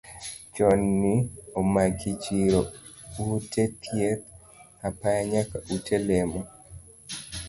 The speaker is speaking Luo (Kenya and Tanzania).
Chochni omako chiro, ute thieth, apaya nyaka ute lemo.